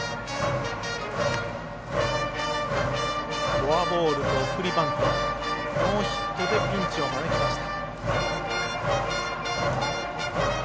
フォアボールと送りバントノーヒットでピンチを招きました。